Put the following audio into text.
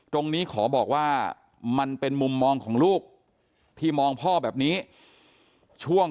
ขอบอกว่ามันเป็นมุมมองของลูกที่มองพ่อแบบนี้ช่วง